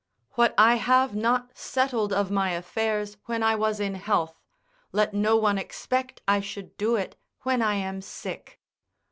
What I have not settled of my affairs when I was in health, let no one expect I should do it when I am sick.